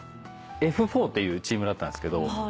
Ｆ４っていうチームだったんですけど。